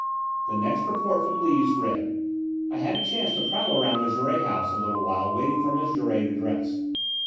The next report from Lees read: "I had a chance to prowl around the Jouret house a little while waiting for Miss Jouret to dress.